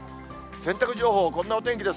洗濯情報、こんなお天気です。